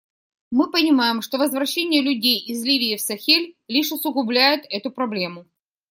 Мы понимаем, что возвращение людей из Ливии в Сахель лишь усугубляет эту проблему.